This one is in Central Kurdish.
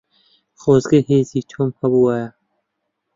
خۆزگە هێزی تۆم هەبوایە.